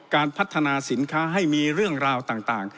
การพัฒนาสินค้าให้มีเรื่องราวต่าง